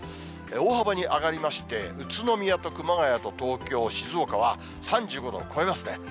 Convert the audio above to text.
大幅に上がりまして、宇都宮と熊谷と東京、静岡は３５度を超えますね。